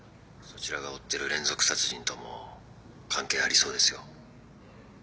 そちらが追ってる連続殺人とも関係ありそうですよ。